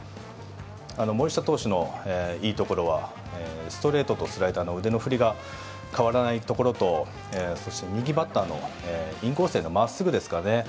森下投手のいいところはストレートとスライダーの腕の振りが変わらないところとそして右バッターのインコースへのまっすぐですね。